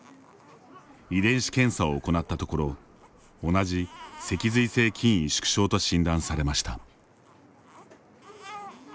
遺伝子検査を行ったところ同じ、脊髄性筋萎縮症と診断されました。